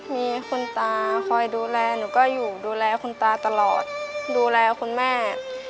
มีคุณตาคอยดูแลหนูก็อยู่ดูแลคุณตาตลอดดูแลคุณแม่